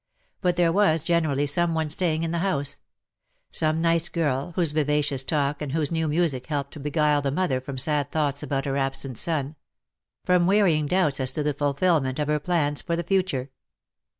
But there was generally some one staying in the house — some nice girl^, whose vivacious talk and whose new music helped to beguile the mother from sad thoughts about her absent son — from wearying doubts as to the fulfilment of her plans for the future.